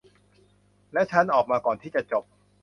และฉันออกมาก่อนที่จะจบ